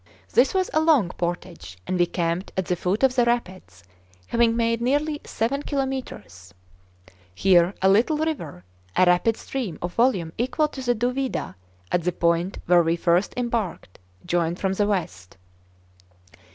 This was a long portage, and we camped at the foot of the rapids, having made nearly seven kilometres. Here a little river, a rapid stream of volume equal to the Duvida at the point where we first embarked, joined from the west.